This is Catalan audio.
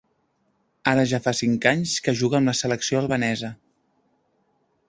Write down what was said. Ara ja fa cinc anys que juga amb la selecció albanesa.